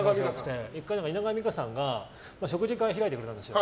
１回蜷川実花さんが食事会開いてくれたんですよ。